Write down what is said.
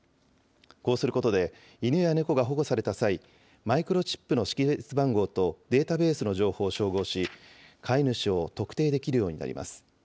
こうすることで、犬や猫が保護された際、マイクロチップの識別番号とデータベースの情報を照合し、飼い主を特定できるようになります。